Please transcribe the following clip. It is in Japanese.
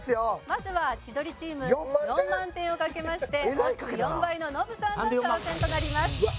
まずは千鳥チーム４万点を賭けましてオッズ４倍のノブさんの挑戦となります。